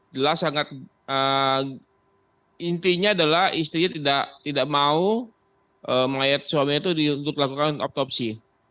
jelas sangat intinya adalah istrinya tidak mau melihat suaminya itu untuk melakukan oktopsi